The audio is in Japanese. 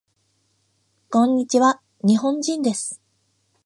こんにちわ。日本人です。